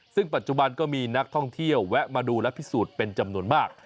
ซึ่งปัจจุบันก็มีนักท่องเที่ยวแวะมาดูและพิสูจน์เป็นจำนวนมาก